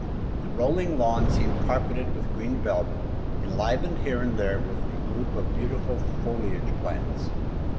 The rolling lawn seemed carpeted with green velvet, enlivened here and there with groups of beautiful foliage plants.